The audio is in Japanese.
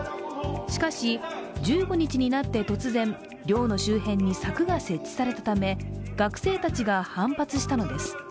しかし１５日になって突然寮の周辺に柵が設置されたため、学生たちが反発したのです。